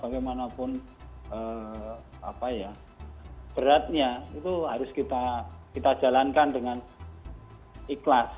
bagaimanapun lelahnya bagaimanapun lelahnya bemanapun apa ya beratnya resteew harus kita kita jalankan dengan iklaas